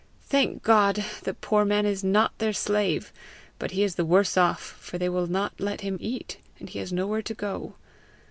Thank God, the poor man is not their slave, but he is the worse off, for they will not let him eat, and he has nowhere to go.